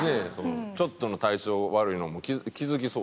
ちょっとの体調悪いのも気付きそうですもんね。